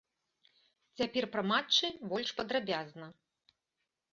Цяпер пра матчы больш падрабязна.